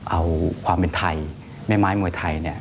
เอาความเป็นไทยแม่ไม้มวยไทยเนี่ย